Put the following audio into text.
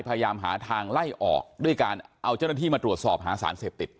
พยายามหาทางไล่ออกด้วยการเอาเจ้าหน้าที่มาตรวจสอบหาสารเสพติด